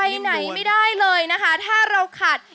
ไหนไม่ได้เลยนะคะถ้าเราขัด